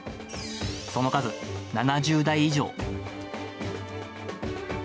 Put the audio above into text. その数７０台以上。